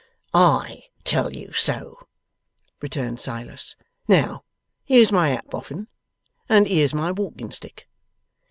'I tell you so,' returned Silas. 'Now, here's my hat, Boffin, and here's my walking stick.